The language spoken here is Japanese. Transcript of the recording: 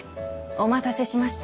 お待たせしました